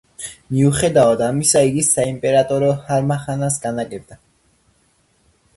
მიუხედავად ამისა, იგი საიმპერატორო ჰარამხანას განაგებდა.